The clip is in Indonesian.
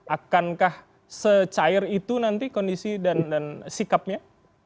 akankah secair itu nanti kondisi dan sikapnya